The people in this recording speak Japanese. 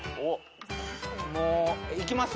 もういきますよ。